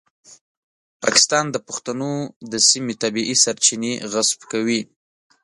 پاکستان د پښتنو د سیمې طبیعي سرچینې غصب کوي.